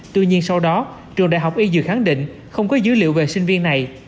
tuy nhiên sau đó trường đại học y dược khẳng định không có dữ liệu về sinh viên này